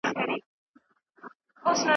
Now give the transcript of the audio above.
څه کم عقل ماشومان دي د ښارونو `